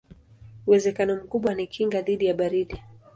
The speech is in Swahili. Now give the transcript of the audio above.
Uwezekano mkubwa ni kinga dhidi ya baridi.